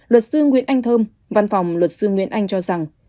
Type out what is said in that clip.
luật sư nguyễn anh thơm văn phòng luật sư nguyễn anh cho rằng